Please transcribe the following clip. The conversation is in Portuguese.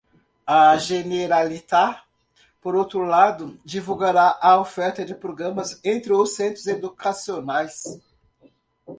A Generalitat, por outro lado, divulgará a oferta de programas entre os centros educacionais.